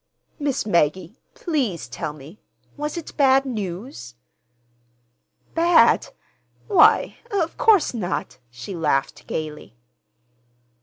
"Miss Maggie, please tell me—was it bad news?" "Bad? Why, of course not!" She laughed gayly.